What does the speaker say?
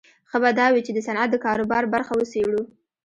ښه به دا وي چې د صنعت د کاروبار برخه وڅېړو